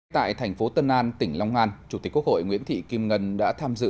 tại thành phố tân an tỉnh long an chủ tịch quốc hội nguyễn thị kim ngân đã tham dự